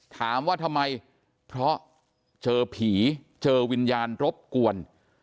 ถามว่าทำไมเพราะเจอผีเจอวิญญาณรบกวน